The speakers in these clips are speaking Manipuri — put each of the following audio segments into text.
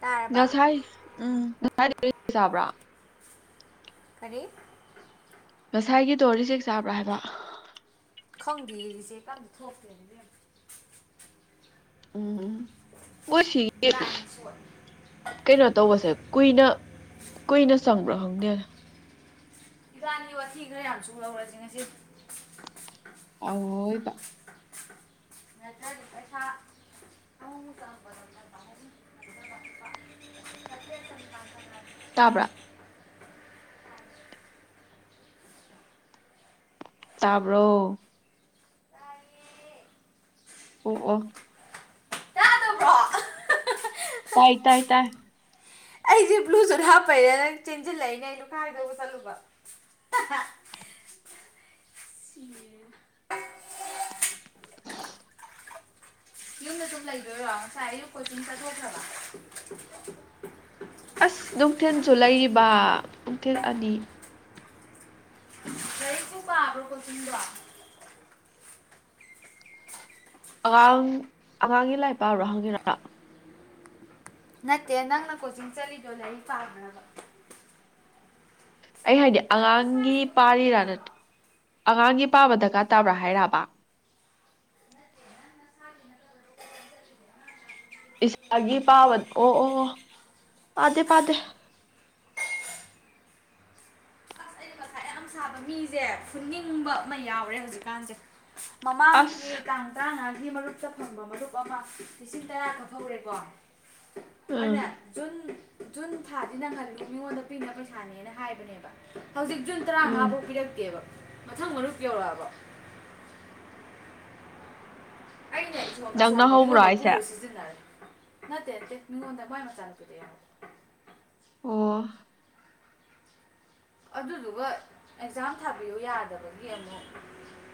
ꯇꯥꯔꯕ ꯉꯁꯥꯏ ꯎꯝ ꯆꯕ꯭ꯔꯥ ꯐꯔꯤ ꯉꯁꯥꯏꯒꯤꯗꯣ ꯔꯤꯆꯦꯛ ꯆꯥꯕ꯭ꯔꯥ ꯍꯥꯏꯕ ꯈꯪꯗꯦ ꯔꯤꯆꯦꯛꯀ ꯑꯝꯇ ꯊꯣꯛꯇ꯭ꯔꯦꯗ ꯏꯕꯦꯝ ꯎꯝ ꯎꯝ ꯃꯣꯏ ꯁꯤꯒꯤ ꯂꯥꯏꯟ ꯁꯣꯠ ꯀꯩꯅꯣ ꯇꯧꯕꯁꯦ ꯀꯨꯏꯅ ꯀꯨꯏꯅ ꯆꯪꯕ꯭ꯔꯣ ꯈꯪꯗꯦꯅꯦ ꯏꯕꯥꯟꯅꯤ ꯋꯥꯊꯤ ꯈꯔ ꯌꯥꯝ ꯁꯨꯍꯧꯔꯁꯤ ꯉꯁꯤ ꯑꯧꯋꯣꯢꯕ ꯄꯩꯁꯥ ꯑꯃꯨꯛꯃꯨꯛ ꯆꯪꯉꯛꯄꯗ ꯉꯝꯅꯕ ꯂꯨꯄꯥ ꯆꯥꯇ꯭ꯔꯦꯠꯇꯪ [unintelligible] ꯇꯥꯕ꯭ꯔꯥ ꯇꯥꯕ꯭ꯔꯣ ꯑꯣ ꯑꯣ ꯈꯥꯪꯗꯕ꯭ꯔꯣ ꯑꯍ ꯍꯥ ꯇꯥꯏ ꯇꯥꯏ ꯇꯥꯏ ꯑꯩꯁꯦ ꯕ꯭ꯂꯨꯇꯨꯠ ꯍꯥꯞꯄꯩꯔ ꯅꯥ ꯆꯦꯟꯁꯤꯜꯂꯛꯏꯅꯦ ꯑꯩꯩꯅ ꯂꯨꯈꯥꯛ ꯍꯩꯗꯣꯛꯎ ꯆꯠꯂꯨꯕ ꯍꯥ ꯍꯥ ꯁꯤ [inaudible] ꯌꯨꯝꯗ ꯑꯗꯨꯨꯝ ꯂꯩꯗꯣꯏꯔꯣ ꯉꯁꯥꯏ ꯑꯌꯨꯛ ꯀꯣꯆꯤꯡ ꯆꯠꯊꯣꯛꯈ꯭ꯔꯕ ꯑꯁ ꯅꯨꯡꯊꯤꯟꯁꯨ ꯂꯩꯔꯤꯕ ꯅꯨꯡꯊꯤꯜ ꯑꯅꯤ ꯂꯥꯏꯔꯤꯛꯄꯨ ꯄꯕ꯭ꯔꯣ ꯀꯣꯆꯤꯡꯗꯣ ꯑꯉꯥꯡ ꯑꯉꯥꯡꯒꯤ ꯂꯥꯏꯔꯤꯛ ꯄ꯭ꯕ ꯍꯪꯉꯤꯔꯣ ꯅꯠꯇꯦ ꯅꯪꯅ ꯀꯣꯆꯤꯡ ꯆꯠꯂꯤꯗꯣ ꯂꯥꯏꯔꯤꯛ ꯄꯥꯕ꯭ꯔꯕ ꯑꯩ ꯍꯥꯏꯗꯤ ꯑꯉꯥꯡꯒꯤ ꯄꯥꯔꯤꯔꯥ ꯑꯉꯥꯡꯒꯤ ꯄꯥꯕ ꯗꯔꯀꯥꯔ ꯇꯥꯕ꯭ꯔꯥ ꯍꯥꯏꯔꯕ ꯏꯁꯥꯒꯤ ꯄꯥꯕꯅꯑꯣ ꯑꯣ ꯄꯗꯦ ꯄꯗꯦ ꯑꯁ ꯑꯩꯅ ꯉꯁꯥꯏ ꯌꯥꯝ ꯁꯥꯕ ꯃꯤꯁꯦ ꯐꯨꯅꯤꯡꯕ ꯑꯃ ꯌꯥꯎꯔꯦ ꯍꯧꯖꯤꯛꯀꯥꯟꯁꯦ ꯃꯃꯥꯡꯒꯤ ꯑꯁ ꯇꯡ ꯇ꯭ꯔꯉꯥ ꯃꯔꯨꯞꯇ ꯐꯪꯕ ꯃꯔꯨꯞ ꯑꯃ ꯂꯤꯁꯤꯡ ꯇꯔꯥꯈꯛ [inaudible] ꯍꯧꯔꯦꯀꯣ ꯎꯝ ꯑꯩꯅꯥ ꯖꯨꯟ ꯖꯨꯟ ꯊꯥꯁꯤ ꯅꯪꯍꯜꯂꯨ ꯃꯤꯉꯣꯟꯗ ꯄꯤꯅꯕ ꯄꯩꯁꯅꯦꯅ ꯍꯥꯏꯕꯅꯦꯕ ꯍꯧꯖꯤꯛ ꯖꯨꯟ ꯎꯝ ꯇꯔꯥꯃꯉꯥꯕꯨ ꯃꯊꯪ ꯃꯔꯨꯞ ꯌꯧꯔꯛꯑꯕꯣ ꯑꯩꯅ ꯏꯁꯣꯝ ꯅꯪꯅ ꯑꯁꯣꯝꯗ ꯍꯧꯕ꯭ꯔꯣ ꯃꯤꯉꯣꯟꯗꯒꯤ ꯍꯥꯏꯁꯦ ꯄꯨꯔ ꯁꯤꯖꯤꯟꯅꯔꯦ ꯅꯇꯦ ꯅꯇꯦ ꯃꯤꯉꯣꯟꯗ ꯃꯥꯏ ꯃꯆꯥꯅꯨꯄꯤꯗꯣ ꯌꯥꯎꯏ ꯑꯣ ꯑꯗꯨꯗꯨꯒ ꯑꯦꯛꯖꯥꯝ ꯊꯥꯕꯤꯌꯨ ꯌꯥꯗꯕꯒꯤ ꯑꯃꯨꯛ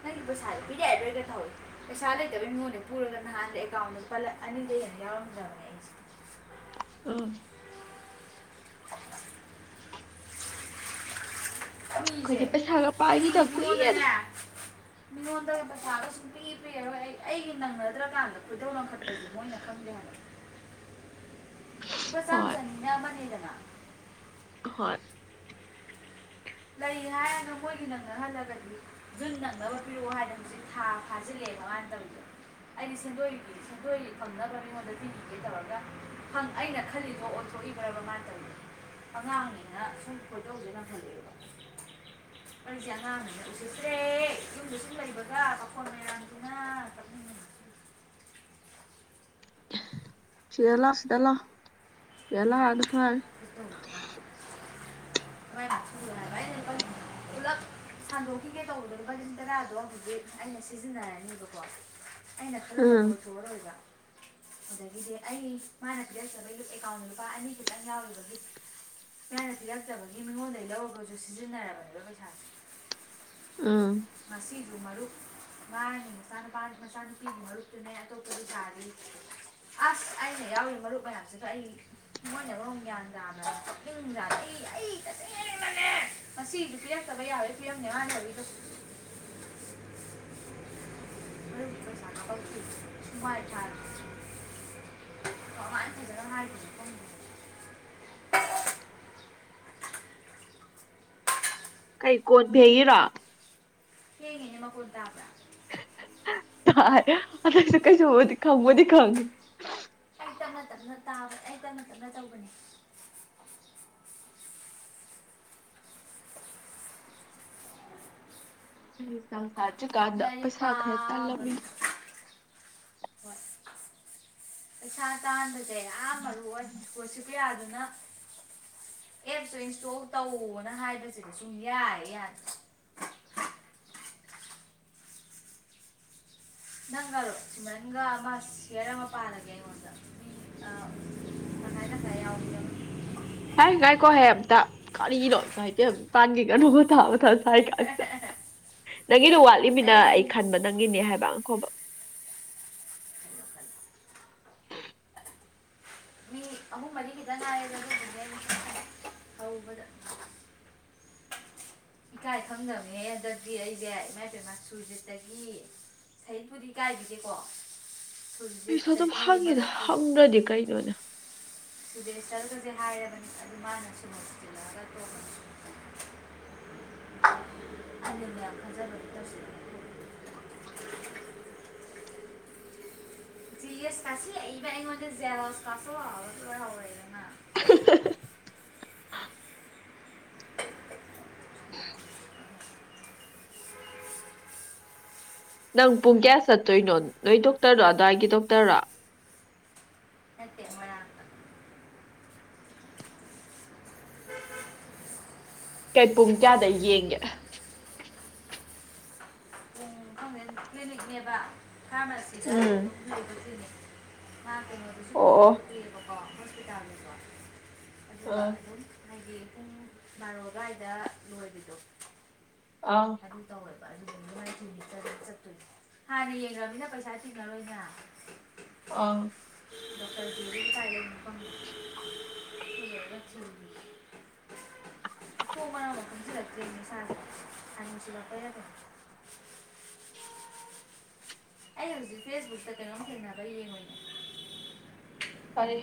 ꯅꯪꯒꯤ ꯄꯩꯁꯥꯁꯦ ꯄꯤꯔꯛ ꯑꯔꯣꯏꯒ ꯇꯧꯏ ꯄꯩꯁꯥ ꯂꯩꯇꯕꯒꯤ ꯃꯉꯣꯟꯗꯩ ꯄꯨꯔꯒ ꯅꯍꯥꯟꯗ ꯑꯦꯀꯥꯎꯟꯗ ꯂꯨꯄ ꯑꯅꯤꯗꯒꯤ ꯍꯦꯟꯅ ꯌꯥꯎꯔꯝꯗ꯭ꯕꯅꯦ ꯑꯩꯁꯤ ꯑꯣꯏ ꯃꯤꯁꯦ ꯑꯩꯈꯣꯏꯒꯤ ꯄꯩꯁꯥꯒ ꯑꯩ ꯄꯥꯏꯒꯤꯗ ꯀꯨꯏꯔꯦꯗ ꯃꯤꯉꯣꯟꯗꯅꯦ ꯃꯤꯉꯣꯟꯗ ꯄꯩꯁꯥꯒ ꯁꯨꯡꯄꯤ ꯄꯤꯔꯣꯏ ꯑꯩ ꯑꯩꯒꯤ ꯅꯪꯅꯗ꯭ꯔꯀꯥꯟꯗ ꯈꯣꯏꯗꯧ ꯂꯈꯠꯄꯁꯦ ꯃꯣꯏꯅ ꯈꯪꯗꯦ ꯍꯏꯕ ꯂꯨꯄ ꯆꯥꯝ ꯍꯣꯏ ꯆꯅꯤ ꯑꯃꯅꯤꯗꯅ ꯍꯣꯏ ꯂꯩ ꯍꯥꯏꯔꯒ ꯃꯣꯏꯒꯤ ꯅꯪꯅꯍꯜꯂꯒꯗꯤ ꯖꯨꯟ ꯅꯪꯅꯕ ꯄꯤꯔꯛꯑꯣ ꯍꯥꯏꯗꯅꯖꯤ ꯊꯥ ꯐꯥꯖꯤꯜꯂꯛꯑꯦꯕ ꯃꯥꯅ ꯇꯧꯔꯤꯗꯣ ꯑꯩꯗꯤ ꯁꯦꯟꯗꯣꯏꯒꯤ ꯁꯦꯟꯗꯣꯏꯒꯤ ꯐꯪꯅꯕ ꯃꯤꯉꯣꯟꯗ ꯄꯤꯕꯤꯒꯦ ꯇꯧꯔꯒ ꯑꯩꯅ ꯈꯜꯂꯤꯗꯣ ꯑꯣꯟꯊꯣꯛꯏꯕ꯭ꯔꯕ ꯃꯥꯅꯇꯧꯏꯗꯣ ꯑꯉꯥꯡꯅꯤꯅ ꯁꯨꯝ ꯈꯣꯏ ꯗꯧꯁꯦ ꯂꯥꯡꯈꯠꯂꯦꯕ ꯑꯩꯁꯦ ꯑꯉꯥꯡꯅꯅꯦ ꯎꯁꯤꯠꯇ꯭ꯔꯦ ꯌꯨꯝꯗꯁꯨꯨꯝ ꯂꯩꯕꯒ ꯄꯈꯣꯟ ꯃꯌꯥꯝꯖꯤꯅ ꯀꯞꯅꯤꯡꯉꯦ ꯁꯤꯗ ꯂꯥꯎ ꯁꯤꯗ ꯂꯥꯎ ꯁꯤꯗ ꯂꯥꯎꯍꯥꯏꯅꯦ ꯐꯔꯦ ꯅꯃꯥꯏ ꯃꯊꯨꯔꯥ ꯍꯥꯏꯕ ꯑꯩꯅ ꯂꯨꯄꯥ ꯄꯨꯂꯞ ꯁꯟꯗꯣꯛꯈꯤꯒꯦ ꯇꯧꯕꯗꯣ ꯂꯨꯄꯥ ꯂꯤ ꯇꯔꯥꯗꯣ ꯍꯧꯖꯤꯛ ꯑꯩꯅ ꯁꯤꯖꯤꯟꯅꯤꯕꯀꯣ ꯑꯩꯅ ꯈꯜꯂꯝꯕꯗꯣ ꯎꯝ ꯑꯣꯏꯊꯣꯛꯑꯔꯣꯏꯕ ꯑꯗꯒꯤꯗꯤ ꯑꯩ ꯃꯥꯅ ꯄꯤꯔꯀꯇ꯭ꯔꯒ ꯑꯦꯀꯥꯎꯟꯗ ꯂꯨꯄꯥ ꯑꯅꯤ ꯈꯤꯇꯪ ꯌꯥꯎꯕꯒꯤ ꯃꯌꯥꯅ ꯄꯤꯂꯛꯇꯕꯒꯤ ꯃꯤꯉꯣꯟꯗꯒꯤ ꯂꯧꯔꯒꯁꯨ ꯁꯤꯖꯤꯟꯅꯔꯕꯅꯦꯕ ꯄꯩꯁꯥꯁꯦ ꯎꯝ ꯉꯁꯤꯁꯨ ꯃꯔꯨꯞ ꯃꯥꯒꯤ ꯃꯆꯥꯅꯨꯄꯥ ꯃꯆꯥꯅꯨꯄꯤꯒꯤ ꯃꯔꯨꯞꯇꯨꯅꯦ ꯑꯇꯣꯞꯄꯖꯨ ꯊꯥꯔꯤ ꯑꯁ ꯑꯩꯅ ꯌꯥꯎꯔꯤ ꯃꯔꯨꯞ ꯃꯌꯥꯝꯁꯤꯒ ꯑꯩ ꯃꯣꯏꯅ ꯃꯔꯣꯝ ꯒ꯭ꯌꯥꯟ ꯇꯥꯗꯕꯅꯦ ꯀꯞꯅꯤꯡꯖꯠꯅꯤ ꯑꯩꯗꯅꯦ ꯉꯁꯤꯗꯤ ꯄꯤꯔꯛꯇꯕ ꯌꯥꯔꯣꯏ ꯄꯤꯔꯝꯅꯦ ꯃꯥ ꯂꯩꯍꯧꯔꯤꯗꯣ ꯃꯔꯨꯞ ꯄꯩꯁ ꯀꯞꯄꯛꯇꯦ ꯊꯨꯃꯥꯏ ꯊꯥꯁꯦ ꯀꯃꯥꯏ ꯐꯖꯅꯥ ꯍꯥꯏꯗꯣꯏꯅꯣ ꯈꯪꯗꯦꯕ ꯀꯩ ꯀꯣꯟꯐꯦꯡꯉꯤꯔꯣ ꯐꯦꯡꯉꯤꯅꯤ ꯃꯈꯣꯟꯇꯕ꯭ꯔꯥ ꯍꯥ ꯍꯥ ꯍꯥ ꯇꯔꯦ ꯑꯗꯣꯏꯁꯨ ꯀꯁꯨꯕꯨꯗꯤ ꯀꯩꯁꯨꯕꯨꯗꯤ ꯈꯪꯕꯨꯗꯤ ꯈꯥꯉꯦ ꯑꯩ ꯇꯞꯅ ꯇꯞꯅ ꯇꯥꯕ ꯑꯩ ꯇꯞꯅ ꯇꯞꯅ ꯇꯧꯕꯅꯤ [unintelligible] [unintelligible] ꯀꯥꯗ ꯂꯥꯏꯔꯤꯛ ꯄꯩꯁꯥ ꯈꯔ ꯄꯥꯕꯁꯨ ꯇꯜꯂꯝꯃꯤꯒ ꯍꯣꯏ ꯄꯩꯁꯥ ꯇꯥꯟꯕꯁꯦ ꯌꯥꯝ ꯃꯔꯨ ꯑꯣꯏ ꯄꯣꯁꯤꯕꯤꯌꯥꯗꯨꯅ ꯑꯦꯞꯁꯇꯨ ꯏꯟꯁꯇꯣꯜ ꯇꯧꯅ ꯍꯥꯏꯕꯁꯤꯗ ꯁꯨꯡ ꯌꯥ ꯍꯦꯛ ꯌꯥꯗꯦ ꯅꯪꯒꯜꯂꯣ ꯁꯤꯃꯔꯟꯒ ꯑꯃ ꯁꯤꯌꯔ ꯑꯃ ꯄꯥꯜꯂꯒꯦ ꯑꯩꯉꯣꯟꯗ ꯉꯁꯥꯏ ꯇꯁꯥꯏ ꯌꯥꯎꯈꯤꯕ ꯍꯥꯏ ꯉꯥꯏꯀꯣ ꯍꯥꯏ ꯑꯝꯇ ꯀꯔꯤꯅꯣ ꯏꯃꯥꯢ ꯄꯦꯝ ꯄꯥꯟꯈꯤꯒ ꯑꯗꯨꯒ [unintelligible] ꯐ ꯅꯪꯒꯤꯗꯣ ꯋꯥꯠꯂꯤꯃꯤꯅ ꯑꯩ ꯈꯟꯕ ꯅꯪꯒꯤꯅꯦ ꯍꯥꯏꯕ ꯈꯣꯕ ꯃꯤ ꯑꯃꯍꯨꯨꯝ ꯃꯔꯤ ꯈꯤꯇꯪ ꯉꯥꯏꯔꯦꯅ ꯍꯧꯕꯗ ꯏꯀꯥꯏ ꯈꯪꯗꯕꯝꯅꯦ ꯍꯟꯗꯛꯇꯤ ꯑꯩꯁꯦ ꯏꯃꯥꯏ ꯄꯦꯝꯃ ꯁꯨꯔꯖꯤꯠꯇꯒꯤ ꯁꯍꯤꯄꯨꯗꯤ ꯏ ꯀꯥꯏꯕꯤꯗꯦꯀꯣ ꯑꯩꯁꯨ ꯑꯗꯨꯝ ꯍꯪꯉꯤꯗ ꯍꯪꯒ꯭ꯔꯗꯤ ꯀꯩꯅꯣꯅꯦ ꯇꯨꯗꯦꯁ ꯆꯜꯒꯤꯁꯦ ꯍꯥꯏꯔꯕꯅꯤ ꯑꯗꯨ ꯃꯥꯅ ꯁꯃ ꯊꯤꯜꯂꯛꯑꯒ ꯇꯣꯡꯉꯅꯤ ꯈꯅꯦ ꯈꯟꯖꯕꯗꯨ ꯇꯧꯁꯤ [unintelligible] ꯀꯁꯤꯕ ꯑꯩꯉꯣꯟꯗ ꯖꯦꯜꯁ ꯀꯁꯂꯛꯑꯗꯤ ꯂꯣꯏꯍꯧꯔꯦꯗꯅ ꯅꯪ ꯄꯨꯡ ꯀꯌꯥ ꯆꯠꯇꯣꯏꯅꯣ ꯅꯣꯏ ꯗꯣꯛꯇꯔꯅꯣ ꯑꯗꯥꯏꯒꯤ ꯗꯣꯛꯇꯔꯔꯥ ꯅꯠꯇꯦ ꯃꯣꯏꯔꯥꯡꯗ ꯀꯩ ꯄꯨꯡ ꯀꯌꯥꯗ ꯌꯦꯡꯒꯦ ꯄꯨꯡ ꯈꯪꯗꯦ ꯀ꯭ꯂꯤꯅꯤꯛꯅꯦꯕ ꯐꯥꯔꯃꯥꯁꯤꯗ ꯎꯝ ꯑꯗꯨꯝ ꯂꯩꯕ ꯀ꯭ꯂꯤꯅꯤꯛ ꯑꯥ ꯑꯣ ꯑꯣ ꯍꯣꯁꯄꯤꯇꯥꯜꯗꯁꯨ ꯑꯗꯨꯒ ꯑꯣ ꯑꯗꯨꯝ ꯍꯥꯏꯗꯤ ꯄꯨꯡ ꯕꯥꯔꯣꯗꯥꯏꯗ ꯂꯣꯏꯕꯤꯗꯣ ꯑꯥ ꯑꯥ ꯑꯗꯨ ꯇꯧꯋꯦ [unintelligible] ꯍꯥꯟꯅ ꯌꯦꯡꯈ꯭ꯔꯃꯤꯅꯤꯅ ꯄꯩꯁꯥ ꯊꯤꯡꯉꯔꯣꯏꯗꯅ ꯑꯥ ꯗꯣꯛꯇꯔ ꯀ꯭ꯂꯤꯅꯤꯛ ꯀꯥꯏ ꯂꯩꯒ ꯈꯪꯗꯦ [unintelligible] ꯃꯊꯣꯡ ꯃꯔꯝ ꯈꯪꯖꯤꯂꯛꯇꯦꯅꯦ ꯏꯁꯥꯥꯁꯦ [unintelligible] ꯀꯩꯅꯣ ꯑꯩ ꯍꯧꯖꯤꯛ ꯐꯦꯁꯕꯨꯛꯇ ꯀꯩꯅꯣꯝ ꯊꯦꯡꯅꯕ ꯌꯦꯡꯉꯧꯏꯅꯦ ꯀꯔꯤ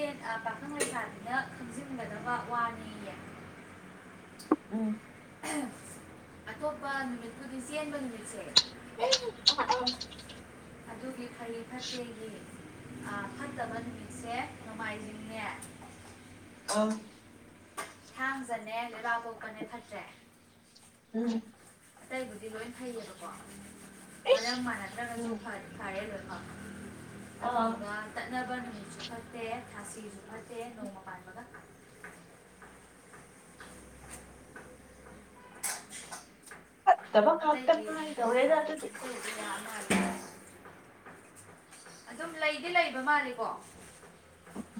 ꯏꯁꯠ ꯄꯥꯈꯪ ꯂꯩꯁꯥꯕꯤꯅ ꯈꯪꯖꯤꯟꯒꯗꯕ ꯋꯥꯅꯦꯌꯦ ꯎꯝ ꯑꯇꯣꯞꯄ ꯅꯨꯃꯤꯠꯄꯨꯗꯤ ꯆꯦꯟꯕ ꯅꯨꯃꯤꯠꯁꯦ [unintelligible] ꯑꯗꯨꯒꯤ ꯐꯔꯦ ꯐꯠꯇꯦꯒꯤ ꯐꯠꯇꯕ ꯅꯨꯃꯤꯠꯁꯦ ꯅꯣꯡꯃꯥꯏꯖꯤꯡꯅꯦ ꯑꯥ ꯊꯥꯡꯖꯅꯦ ꯂꯩꯕꯥꯛ ꯄꯣꯛꯛꯄꯅꯦ ꯐꯠꯇꯔꯦ ꯎꯝ ꯑꯇꯩꯕꯨꯗꯤ ꯂꯣꯏ ꯐꯩꯌꯦꯕꯀꯣ ꯃꯔꯝ ꯏꯁ ꯃꯅꯥꯛꯗ꯭ꯔꯒꯁꯨ ꯎꯝ ꯐ ꯐꯥꯔꯦ ꯂꯣꯏ ꯑꯥ ꯑꯥ ꯑꯗꯨꯗꯨꯒ ꯇꯠꯅꯕ ꯖꯨ ꯐꯠꯇꯦ ꯊꯥꯁꯤꯖꯨ ꯐꯠꯇꯦ ꯅꯣꯡꯃ ꯄꯥꯟꯕꯒ ꯐꯠꯇꯕ ꯉꯥꯛꯇ ꯑꯇꯩꯗꯤ ꯉꯥꯏꯗꯧꯔꯦꯗ ꯑꯗꯨꯗꯤ ꯑꯇꯩꯗꯤ [inaudible] ꯑꯗꯨꯝ ꯂꯩꯗꯤ ꯂꯩꯕ ꯃꯥꯜꯂꯤꯀꯣ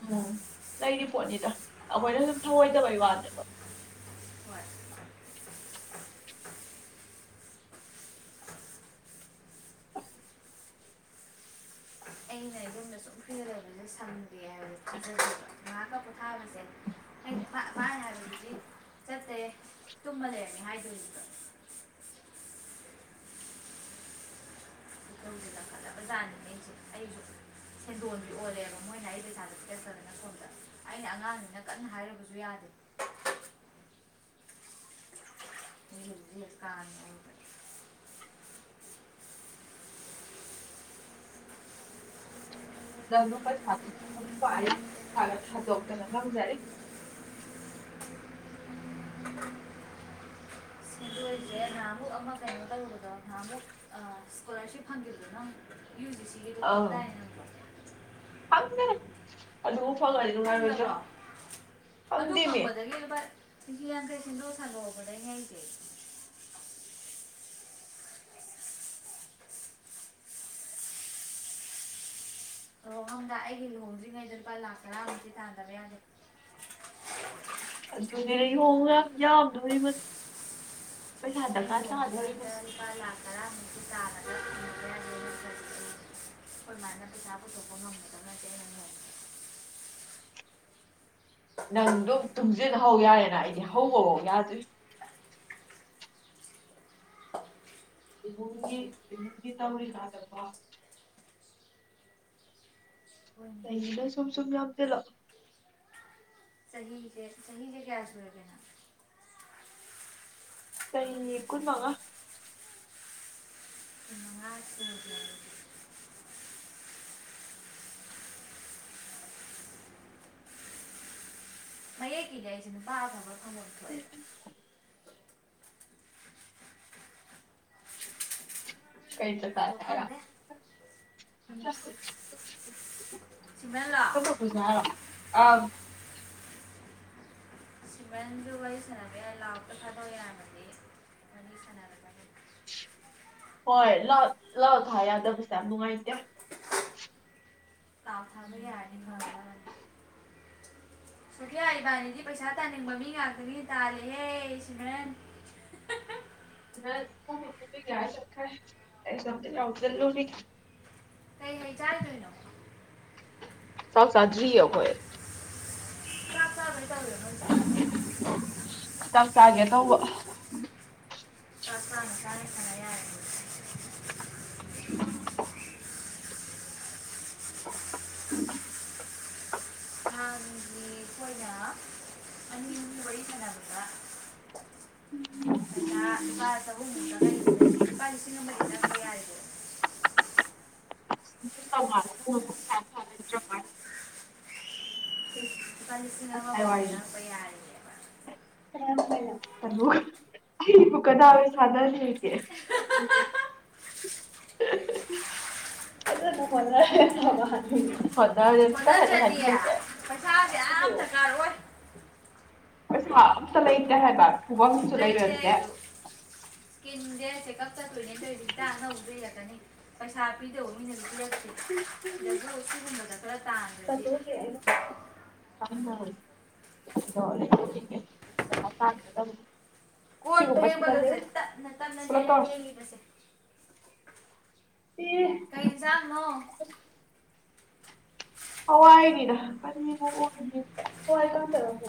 ꯎꯝ ꯂꯩꯔꯤ ꯄꯣꯠꯅꯤꯗ ꯑꯈꯣꯏꯅ ꯁꯨꯝ ꯊꯧꯑꯣꯏꯗꯕꯩ ꯋꯥꯅꯦꯕ ꯍꯣꯏ ꯑꯩꯅ ꯌꯨꯝꯗ ꯁꯨꯛ ꯀꯨꯏ ꯂꯩꯕꯖꯦ ꯁꯪꯗꯦ ꯍꯥꯏꯕ ꯊꯥꯖꯗꯦꯕ ꯉꯍꯥꯛꯀ ꯄꯣꯊꯥꯕꯖꯦ ꯑꯩꯅ ꯃꯥ ꯃꯥꯅ ꯍꯥꯏꯕꯗꯗꯤ ꯆꯠꯇꯦ ꯇꯨꯝꯃ ꯂꯩꯔꯝꯃꯦ ꯍꯥꯏꯗꯣꯏꯅꯦꯕ ꯈꯣꯏꯗꯧꯖꯦ ꯂꯪꯈꯠꯂꯕꯖꯥꯠꯅꯤ ꯑꯩꯖꯦ ꯑꯩꯖꯨ ꯁꯦꯟꯗꯣꯟꯕꯤ ꯑꯣꯜꯂꯦꯕ ꯃꯣꯏꯅ ꯑꯩ ꯄꯩꯁꯥꯁꯦ ꯄꯤꯔꯛꯇꯗꯅ ꯁꯣꯝꯗ ꯑꯩꯅ ꯑꯉꯥꯡꯅꯤꯅ ꯀꯟꯅ ꯍꯥꯏꯔꯨꯕꯖꯨ ꯌꯥꯗꯦ ꯏꯁꯦ ꯐꯥꯖꯅ ꯀꯪꯉꯦ ꯑꯩ ꯅꯪꯗꯨ ꯄꯩꯁꯥꯗꯤ ꯑꯗꯨꯝ ꯄꯥꯏꯌꯦ ꯊꯥꯒ ꯊꯥꯗꯣꯛꯇꯅ ꯉꯝꯖꯔꯤ [inaudible] ꯁꯦꯟꯗꯣꯏꯖꯦ ꯅꯍꯥꯃꯃꯨꯛ ꯑꯃ ꯀꯩꯅꯣ ꯇꯧꯔꯨꯕꯗꯣ ꯅꯍꯥꯟꯃꯨꯛ ꯁ꯭ꯀꯣꯂꯔꯁꯤꯞ ꯐꯪꯒꯤꯕꯗꯣ ꯅꯪ ꯌꯨ ꯖꯤ ꯁꯤ ꯒꯤꯗꯣ ꯑꯪ ꯐꯪꯗꯥꯏꯅꯦ ꯅꯪꯕꯣ ꯍꯜꯂꯣ ꯐꯪꯗꯕ꯭ꯔꯣ ꯑꯗꯨ ꯐꯪꯗꯦꯃꯤ ꯐꯪꯕꯗꯒꯤ ꯂꯨꯄꯥ ꯂꯤꯁꯤꯡ ꯌꯥꯡꯈꯩ ꯁꯦꯟꯗꯣꯏ ꯁꯥꯟꯗꯣꯛꯍꯧꯕꯗꯩꯅꯦ ꯑꯩꯖꯦ [inaudible] ꯂꯨꯍꯣꯡꯉꯝꯗꯥꯏ ꯑꯩꯒꯤ ꯂꯨꯍꯣꯡꯗ꯭ꯔꯤꯉꯩꯗ ꯂꯨꯄꯥ ꯂꯥꯛ ꯇꯔꯥꯃꯨꯛꯇꯤ ꯇꯥꯟꯗꯕ ꯌꯥꯗꯦ ꯑꯗꯨꯅꯦ ꯑꯩ ꯂꯨꯍꯣꯡꯒ ꯌꯥꯝꯗꯣꯔꯤ ꯃꯁꯤ ꯑꯩ ꯂꯨꯍꯣꯡꯗ꯭ꯔꯤꯉꯩꯗ ꯂꯨꯄꯥ ꯂꯥꯛ ꯇꯔꯥꯃꯨꯛꯇꯤ ꯇꯥꯔ ꯈꯣꯏꯃꯥꯅ ꯄꯩꯁꯥ ꯄꯨꯊꯣꯛꯄ ꯉꯝꯒꯗꯕ ꯅꯠꯇꯦ ꯑꯩ ꯂꯨꯍꯣꯡꯕꯗ ꯅꯪꯗꯣ ꯇꯨꯡꯖꯤꯟ ꯍꯧ ꯌꯥꯔꯦꯅ ꯑꯩꯗꯤ ꯍꯧꯕꯐꯧ ꯌꯥꯗ꯭ꯔꯤ ꯏꯃꯨꯡꯒꯤ ꯏꯃꯨꯡꯒꯤ ꯇꯧꯔꯤꯀꯥꯟꯗꯀꯣ ꯍꯣꯏꯅꯦ ꯆꯍꯤꯗ ꯁꯨꯝ ꯁꯨꯝ ꯌꯥꯝꯖꯤꯜꯂꯛ ꯆꯍꯤꯖꯦ ꯆꯍꯤꯒ ꯀꯌꯥ ꯁꯨꯔꯒꯦ ꯅꯪ ꯆꯩ ꯀꯨꯟꯃꯉꯥ ꯀꯨꯟꯃꯉꯥ ꯁꯨꯗꯦ ꯑꯩꯗꯤ ꯃꯌꯦꯛꯀꯤꯗꯤ ꯑꯩꯖꯦ ꯅꯨꯄꯥ ꯑꯐꯕ ꯐꯪꯕꯝ ꯊꯣꯛꯏ ꯁ꯭ꯄꯦꯗ ꯇꯥꯏ ꯑꯗꯣ ꯍꯥꯏꯔꯣ ꯁꯤꯃꯦꯟ [unintelligible] ꯀꯝꯕ ꯂꯥꯛꯑꯣ ꯄꯨꯖꯦ ꯍꯥꯏꯔꯣ ꯑꯪ ꯁꯤꯃ꯭ꯔꯟꯗꯨ ꯋꯥꯔꯤ ꯁꯥꯅꯕ ꯌꯥꯏ ꯂꯥꯎꯇ ꯊꯥꯗꯣꯛ ꯌꯥꯕꯅꯤ ꯋꯥꯔꯤ ꯁꯥꯟꯅꯒꯗꯕ ꯍꯣꯏ ꯂꯥꯎꯠ ꯂꯥꯎꯠ ꯊꯥ ꯌꯥꯗꯕꯖꯦ ꯌꯥꯝ ꯅꯨꯡꯉꯥꯏꯇꯦ ꯂꯥꯎꯠ ꯊꯥꯕ ꯌꯥꯔꯗꯤ ꯐꯒꯗꯕꯅꯤ [inaudible] ꯁꯣꯐꯤꯌꯥ ꯏꯕꯥꯅꯤꯗꯤ ꯄꯩꯁꯥ ꯇꯥꯟꯅꯤꯡꯕ ꯃꯤ ꯉꯥꯛꯇꯅꯤꯅ ꯇꯥꯜꯂꯦꯍꯦ ꯁꯤꯝꯔꯟ [inaudible] [unintelligible] ꯑꯦꯛꯖꯥꯝꯇꯤꯠ ꯌꯥꯎꯖꯜꯂꯨ ꯀꯩ ꯍꯩ ꯆꯥꯏꯗꯣꯏꯅꯣ ꯆꯥꯛ ꯆꯥꯗ꯭ꯔꯤꯌꯦ ꯑꯈꯣꯏ ꯆꯥꯛ ꯆꯥꯗ꯭ꯔꯤ [inaudible] ꯆꯥꯛ ꯆꯥꯒꯦ ꯇꯧꯕ [inaudible] [inaudible] [inaudible] ꯍ ꯍꯝ [inaudible] ꯂꯨꯄꯥ ꯆꯍꯨꯝꯃꯨꯛ ꯆꯪꯉꯛꯢꯁꯤꯅꯗꯤ ꯂꯨꯄꯥ ꯂꯤꯁꯤꯡ ꯑꯃꯗꯤ ꯆꯉꯛꯄ ꯌꯥꯔꯦꯗꯅ [unintelligible] ꯂꯨꯄꯥ ꯂꯤꯁꯤꯡ ꯉꯁꯥꯏ ꯑꯃꯕꯧꯗꯤ ꯆꯪꯉꯛꯄ ꯌꯥꯔꯤꯌꯦ ꯑꯩꯕꯨ ꯀꯅꯥꯒ ꯁꯥꯟꯅꯅꯤꯒꯦ ꯍꯦ ꯍꯦ ꯍꯦ ꯑꯗꯣ ꯅꯈꯣꯟꯗꯣ ꯌꯥꯝ ꯃꯥꯜꯂꯦꯕ ꯍꯣꯠꯅꯔꯤꯅꯤ ꯇꯪꯈꯥꯢ ꯇꯪꯈꯥꯏ ꯁꯣꯏꯖꯤꯟꯁꯦ ꯊꯨꯗꯦꯛꯑꯣ ꯃꯣꯢꯁꯤꯃ ꯑꯝꯇ ꯂꯩꯇꯦ ꯍꯥꯏꯕ ꯄꯨꯕꯝꯁꯨ ꯂꯩꯔꯛꯇꯦ ꯆꯦꯛꯀꯞ ꯆꯠꯇꯣꯢꯅꯦ ꯇꯧꯔꯤꯁꯦ ꯍꯤꯗꯥꯛ ꯑꯅꯧꯕꯁꯨ ꯢꯔꯛꯀꯅꯤ ꯄꯩꯁꯥ ꯄꯤꯗꯧ ꯃꯤꯅꯁꯨ ꯄꯤꯔꯛ ꯁꯤꯗꯁꯨ ꯁꯤꯒꯨꯝꯕꯗ ꯈꯔ ꯇꯥꯟꯗ꯭ꯔꯗꯤ ꯄꯩꯁꯥ ꯇꯥꯟꯒꯗꯕꯅꯤ [unintelligible] ꯇꯞꯅ ꯇꯞꯅꯅꯦ ꯑꯩꯅ ꯇꯧꯔꯁꯤ ꯐꯦꯡꯉꯤꯕꯁꯦ ꯢ ꯀꯩ ꯏꯟꯖꯥꯡꯅꯣ ꯍꯋꯥꯏꯅꯤꯗ ꯀꯔꯤꯕꯨ ꯑꯣꯏꯅꯤ ꯍꯋꯥꯏ ꯀꯥꯡꯇꯛꯔ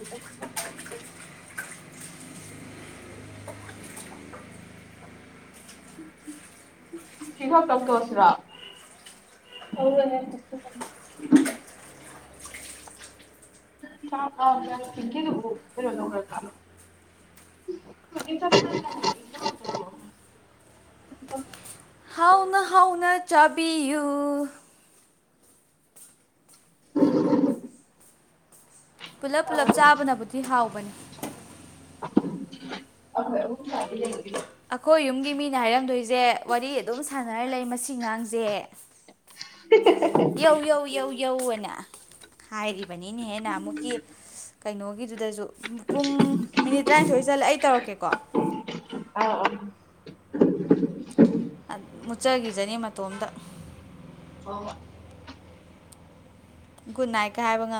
ꯁꯤ ꯈꯛꯇꯪ ꯇꯧꯔꯁꯤꯔꯣ ꯑꯣꯛꯑꯣꯏꯍꯦ ꯑꯁꯤꯈꯛꯇꯪ ꯆꯥ ꯐꯥ [inaudible] ꯀꯤꯀꯤꯗꯨꯕꯨ ꯀꯩꯅꯣ ꯇꯧꯈ꯭ꯔ ꯖꯥꯠꯂꯣ ꯍꯧꯖꯤꯛꯇ ꯊꯥꯈꯤꯕꯅꯤꯗ ꯏꯅꯥꯎꯗꯣ ꯍꯥꯎꯅ ꯍꯥꯎꯅ ꯆꯥꯕꯤꯌꯨ ꯄꯨꯂꯞ ꯄꯨꯂꯞ ꯆꯥꯕꯅꯕꯨꯗꯤ ꯍꯥꯎꯕꯅꯦ ꯑꯈꯣꯢ ꯑꯍꯨꯝ ꯆꯥꯕꯤꯔꯒꯦ ꯑꯩꯈꯣꯏ ꯌꯨꯝꯒꯤ ꯃꯤꯅ ꯍꯥꯏꯔꯝꯗꯣꯏꯁꯦ ꯋꯥꯔꯤ ꯑꯗꯨꯝ ꯁꯥꯟꯅꯔ ꯂꯩ ꯃꯁꯤꯉꯥꯡꯁꯦ ꯌꯧ ꯌꯧ ꯌꯧ ꯌꯧ ꯑꯅ ꯍꯥꯏꯔꯤꯕꯅꯤꯅꯦꯍꯦ ꯅꯍꯥꯟꯃꯨꯛꯀꯤ ꯀꯩꯅꯣꯒꯤꯗꯨꯗꯁꯨ ꯄꯨꯡ ꯃꯤꯅꯤꯠ ꯇꯔꯥꯅꯤꯊꯣꯏ ꯆꯠꯂꯦ ꯑꯩ ꯇꯧꯔꯛꯀꯦ ꯀꯣ ꯑꯥ ꯑꯥ [inaudible] ꯃꯨꯠꯆꯈꯤꯖꯅꯤ ꯃꯇꯣꯝꯗ ꯍꯣꯏ ꯍꯣꯢ ꯒꯨꯟꯅꯥꯏꯠꯀ ꯍꯥꯏꯕ ꯉꯝ